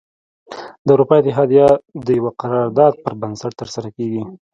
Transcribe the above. د اروپا اتحادیه د یوه قرار داد پر بنسټ تره سره کیږي.